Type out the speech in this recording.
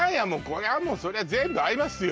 これはもうそりゃ全部合いますよ